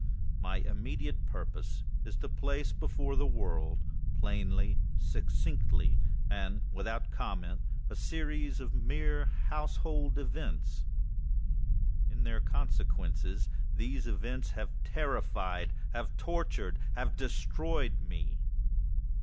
My immediate purpose is to place before the world, plainly, succinctly, and without comment, a series of mere household events. In their consequences, these events have terrifiedâhave torturedâhave destroyed me.